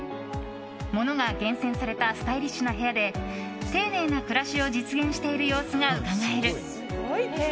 物が厳選されたスタイリッシュな部屋で丁寧な暮らしを実現している様子がうかがえる。